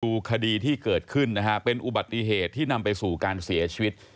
ดูคดีที่เกิดขึ้นนะฮะเป็นอุบัติเหตุที่นำไปสู่การเสียชีวิต